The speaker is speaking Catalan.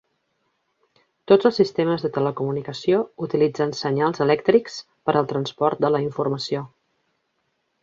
Tots els sistemes de telecomunicació utilitzen senyals elèctrics per al transport de la informació.